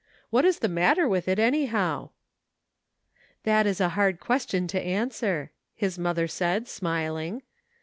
What is the matter with it, anyhow ?" "That is a hard question to answer," his mother said, smiling.